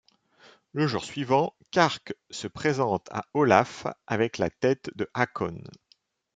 Le jour suivant, Kark se présente à Olaf avec la tête de Håkon.